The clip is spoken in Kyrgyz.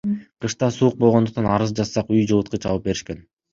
Кышта суук болгондуктан, арыз жазсак, үй жылыткыч алып беришкен.